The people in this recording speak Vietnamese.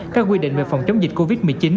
các quy định về phòng chống dịch covid một mươi chín